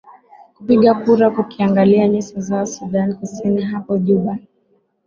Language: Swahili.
kupiga kura kukiangalia nyuso zao sudan kusini hapo juba